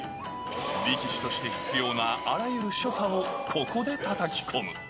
力士として必要なあらゆる所作をここでたたき込む。